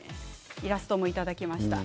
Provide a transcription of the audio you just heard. イラストもいただきました。